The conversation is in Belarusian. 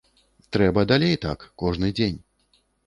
Трэба далей так, кожны дзень.